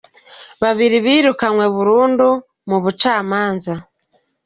Babiri birukanywe burundu mu bucamanza